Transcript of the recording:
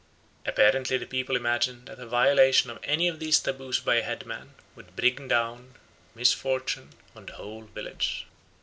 Apparently the people imagine that the violation of any of these taboos by a headman would bring down misfortune on the whole village.